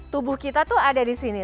tubuh kita tuh ada di sini